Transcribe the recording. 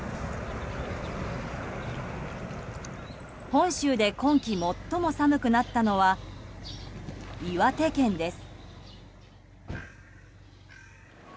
本州で今季最も寒くなったのは岩手県です。